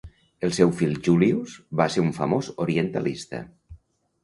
El seu fill Julius va ser un famós orientalista.